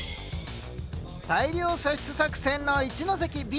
大量射出作戦の一関Ｂ。